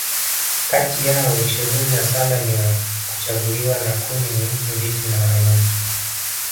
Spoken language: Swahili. kati yao ishirini na saba ni wa kuchaguliwa na kumi ni Viti maalum